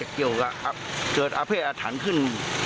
เกี่ยวกับเกิดอาเภษอาถรรพ์ขึ้น